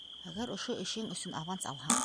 Әгәр ошо эшең өсөн аванс алһаң...